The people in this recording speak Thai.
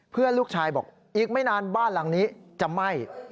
ลูกชายบอกอีกไม่นานบ้านหลังนี้จะไหม้